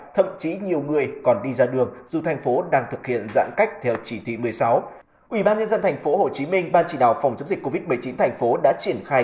thậm chí nhiều người còn đi ra đường dù thành phố đang thực hiện giãn cách theo chỉ thị một mươi sáu